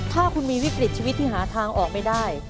ถ้าคุณมีวิกฤตชีวิตที่หาทางออกไม่ได้